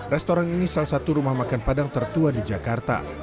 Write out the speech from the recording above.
restoran ini salah satu rumah makan padang tertua di jakarta